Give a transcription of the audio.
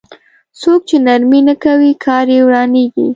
څوک چې نرمي نه کوي کار يې ورانېږي.